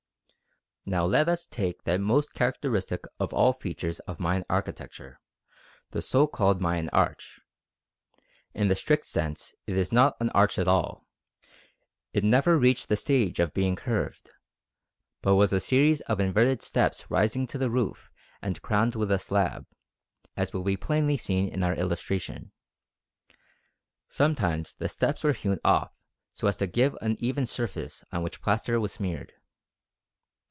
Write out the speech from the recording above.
Now let us take that most characteristic of all features of Mayan architecture, the so called Mayan arch. In the strict sense it is not an arch at all. It never reached the stage of being curved, but was a series of inverted steps rising to the roof and crowned with a slab, as will be plainly seen in our illustration. Sometimes the steps were hewn off so as to give an even surface on which plaster was smeared.